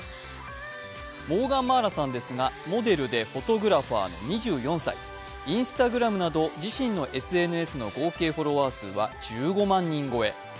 モーガン茉愛羅さんですが、モデルでフォトグラファー、２４歳、Ｉｎｓｔａｇｒａｍなど自身のＳＮＳのフォロワー数は１５万人超え。